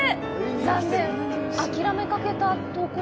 残念、諦めかけたところ。